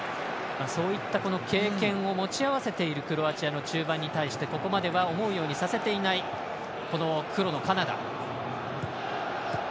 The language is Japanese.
そういった経験を持ち合わせているクロアチアの中盤に対してここまでは思うようにさせていない黒のカナダ。